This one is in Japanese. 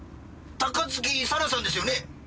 高月彩良さんですよね？